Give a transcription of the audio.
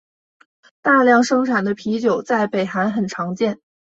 大量生产的啤酒在北韩很常见。